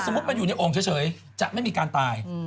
ถ้าสมมุติมันอยู่ในองค์เฉยจะไม่มีการตาย